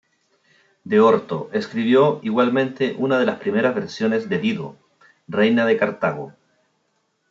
De Orto escribió igualmente una de las primeras versiones de Dido, reina de Cartago.